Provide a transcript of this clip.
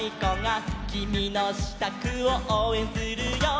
「きみのしたくをおうえんするよ」